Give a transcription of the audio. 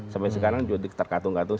sampai sekarang juga terkatung katung